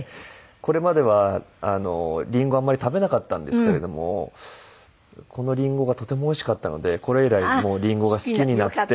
これまではリンゴあんまり食べなかったんですけれどもこのリンゴがとてもおいしかったのでこれ以来リンゴが好きになって。